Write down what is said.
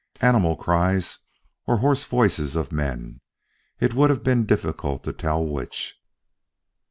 Animal cries or hoarse voices of men it would have been difficult to tell which.